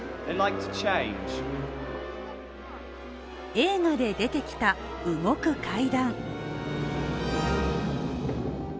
映画で出てきた動く階段。